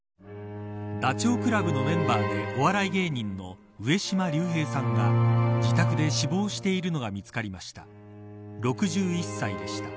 ダチョウ倶楽部のメンバーでお笑い芸人の上島竜兵さんが、自宅で死亡しているのが見つかりました。